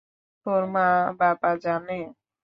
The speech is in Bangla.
তোর মা-বাবা জানে?